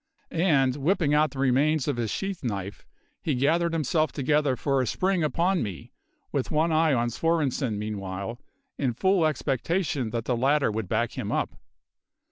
And, whipping out the remains of his sheath knife, he gathered himself together for a spring upon me, with one eye on Svorenssen meanwhile, in full expectation that the latter would back him up.